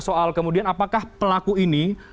soal kemudian apakah pelaku ini